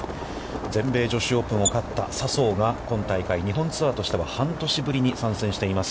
全米女子オープンを勝った笹生が今大会日本ツアーとして半年ぶりに参戦しています。